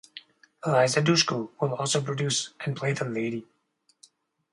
Eliza Dushku will also produce and play the Lady.